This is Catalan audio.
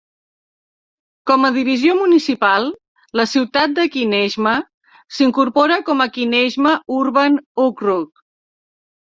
Com a divisió municipal, la ciutat de Kineshma s'incorpora com a Kineshma Urban Okrug.